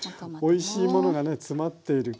おいしいものがね詰まっている。